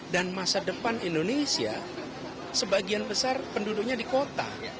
dan masa depan indonesia sebagian besar penduduknya di kota